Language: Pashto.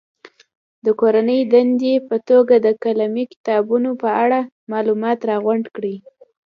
د کورنۍ دندې په توګه د قلمي کتابونو په اړه معلومات راغونډ کړي.